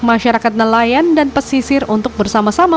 masyarakat nelayan dan pesisir untuk bersama sama